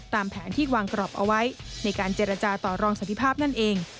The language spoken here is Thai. ตามแผนที่วางกรอบเอาไว้ในการเจรจาต่อรองสันติภาพนั่นเอง